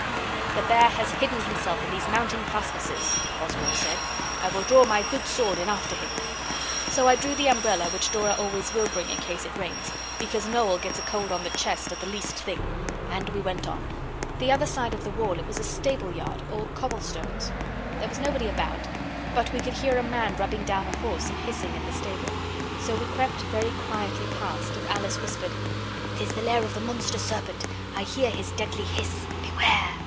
'The bear has hidden himself in these mountain fastnesses,' Oswald said. 'I will draw my good sword and after him.' So I drew the umbrella, which Dora always will bring in case it rains, because Noel gets a cold on the chest at the least thing and we went on. The other side of the wall it was a stable yard, all cobble stones. There was nobody about but we could hear a man rubbing down a horse and hissing in the stable; so we crept very quietly past, and Alice whispered ''Tis the lair of the Monster Serpent; I hear his deadly hiss! Beware!